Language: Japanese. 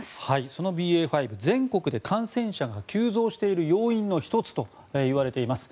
そのＢＡ．５全国で感染者が急増している要因の１つといわれています。